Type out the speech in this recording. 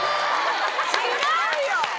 違うよ！